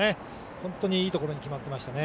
本当にいいところに決まってました。